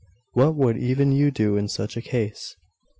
What would even you do in such a case?